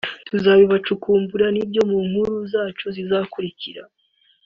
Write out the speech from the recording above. tuzabibacukumburira nabyo mu nkuru zacu zizakurikira